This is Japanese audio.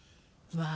わあ。